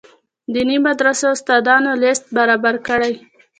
دیني مدرسو استادانو لست برابر کړي.